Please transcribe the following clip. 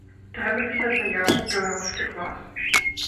Трэба пісаць заяву ў беларускі клас.